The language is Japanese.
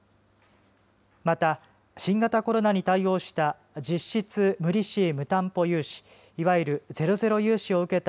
また、新型コロナに対応した実質無利子・無担保融資いわゆるゼロゼロ融資を受け